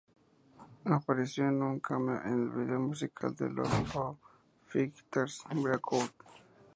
Apareció en un cameo en el video musical de los Foo Fighters, "Breakout".